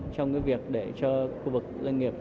trong cái việc để cho khu vực doanh nghiệp